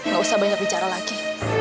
gak usah banyak bicara lagi